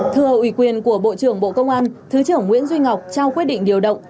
thưa ủy quyền của bộ trưởng bộ công an thứ trưởng nguyễn duy ngọc trao quyết định điều động